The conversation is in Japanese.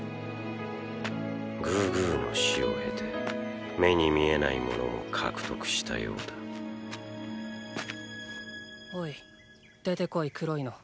グーグーの死を経て目に見えないものも獲得したようだおい出てこい黒いの。